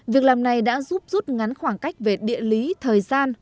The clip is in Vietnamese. việc làm này đã giúp rút ngắn khoảng cách về địa lý thời gian